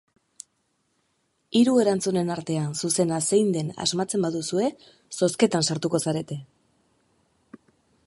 Hiru erantzunen artean zuzena zein den asmatzen baduzue, zozketan sartuko zarete!